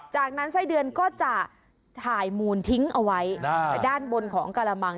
จากนั้นไส้เดือนก็จะถ่ายมูลทิ้งเอาไว้ด้านบนของกระมัง